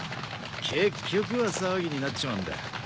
結局は騒ぎになっちまうんだ。